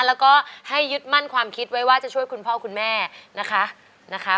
แล้วก็ให้ยึดมั่นความคิดไว้ว่าจะช่วยคุณพ่อคุณแม่นะคะ